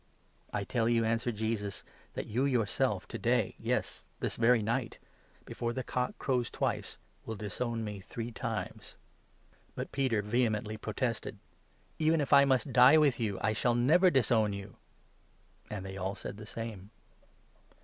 " I tell you," answered Jesus, " that you yourself to day — 30 yes, this very night — before the cock crows twice, will disown me three times." But Peter vehemently protested : 31 " Even if I must die with you, I shall never disown you !" And they all said the same.